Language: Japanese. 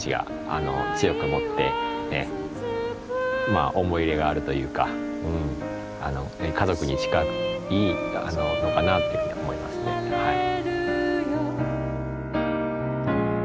まあ思い入れがあるというかうん家族に近いのかなっていうふうに思いますねはい。